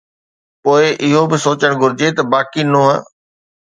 پوءِ اهو به سوچڻ گهرجي ته باقي ننهن